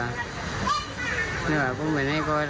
แล้วผมเป็นเพื่อนกับพระนกแต่ผมก็ไม่เคยช่วยเหลือเสียแป้ง